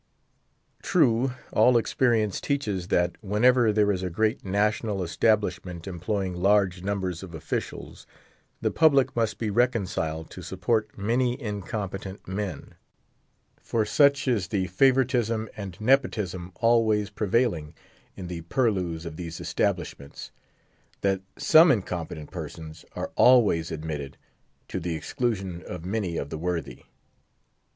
True, all experience teaches that, whenever there is a great national establishment, employing large numbers of officials, the public must be reconciled to support many incompetent men; for such is the favouritism and nepotism always prevailing in the purlieus of these establishments, that some incompetent persons are always admitted, to the exclusion of many of the worthy.